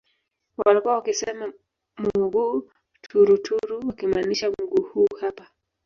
Walkuwa wakisema Mughuu turuturu wakimaanisha mguu huu hapa